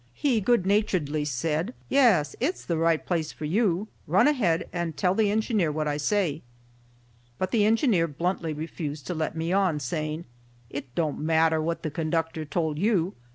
He good naturedly said: "Yes, it's the right place for you. Run ahead, and tell the engineer what I say." But the engineer bluntly refused to let me on, saying: "It don't matter what the conductor told you.